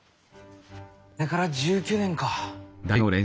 あれから１９年か。